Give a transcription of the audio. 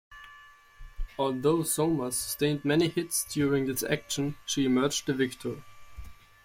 Although "Somers" sustained many hits during this action, she emerged the victor.